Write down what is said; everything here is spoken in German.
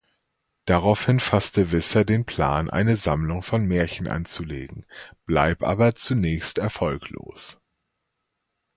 Daraufhin fasste Wisser den Plan, eine Sammlung von Märchen anzulegen, bleib aber zunächst erfolglos.